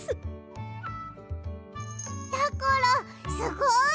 やころすごい！